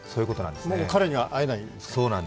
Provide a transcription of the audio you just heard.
もう彼には会えないんですか。